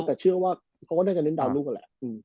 แต่เชื่อว่าเขาก็ได้จะเน้นดาวน์ลูกกันแหละ